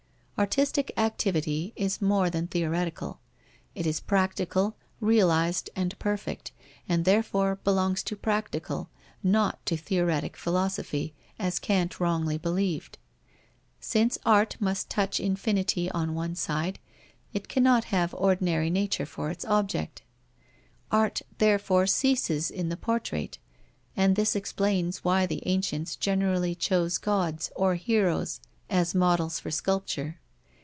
Artistic activity is more than theoretical: it is practical, realized and perfect, and therefore belongs to practical, not to theoretic philosophy, as Kant wrongly believed. Since art must touch infinity on one side, it cannot have ordinary nature for its object. Art therefore ceases in the portrait, and this explains why the ancients generally chose Gods or Heroes as models for sculpture.